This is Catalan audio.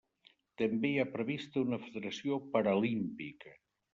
També hi ha prevista una federació paralímpica.